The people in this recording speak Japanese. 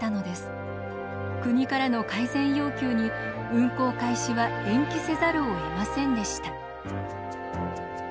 国からの改善要求に運行開始は延期せざるをえませんでした。